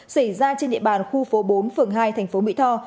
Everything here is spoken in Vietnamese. xảy ra trên địa bàn khu phố bốn phường hai thành phố mỹ tho